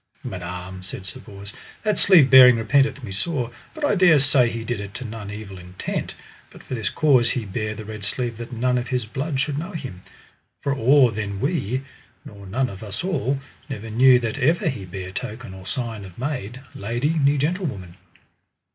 Madam, said Sir Bors, that sleeve bearing repenteth me sore, but I dare say he did it to none evil intent, but for this cause he bare the red sleeve that none of his blood should know him. For or then we, nor none of us all, never knew that ever he bare token or sign of maid, lady, ne gentlewoman.